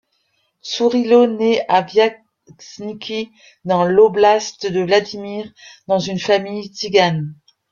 Tsourilo naît à Viazniki dans l'oblast de Vladimir dans une famille tsigane.